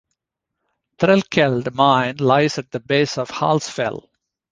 Threlkeld mine lies at the base of Hallsfell.